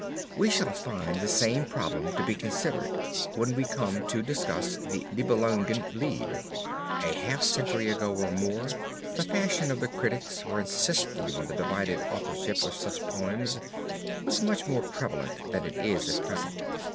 We shall find the same problem to be considered when we come to discuss the Nibelungen Lied. A half a century ago or more the fashion of the critics for insisting on the divided authorship of such poems was much more prevalent than it is at present.